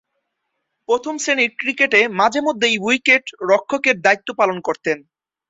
প্রথম-শ্রেণীর ক্রিকেটে মাঝে-মধ্যেই উইকেট-রক্ষকের দায়িত্ব পালন করতেন।